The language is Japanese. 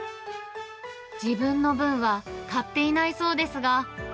自分の分は買っていないそうですが。